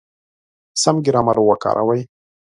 سم ګرامر وکاروئ!